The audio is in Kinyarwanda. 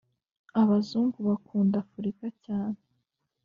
abazungu bakunda afurika cyane